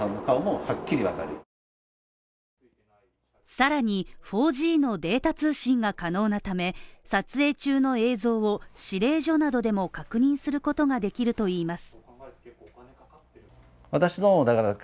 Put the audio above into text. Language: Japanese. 更に４Ｇのデータ通信が可能なため撮影中の映像を指令所などでも確認することができるといいます。